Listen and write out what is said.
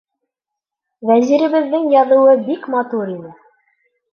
Вәзиребеҙҙең яҙыуы бик матур ине.